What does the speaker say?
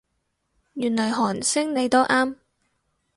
原來韓星你都啱